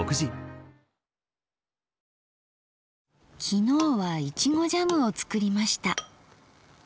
昨日は苺ジャムを作りました。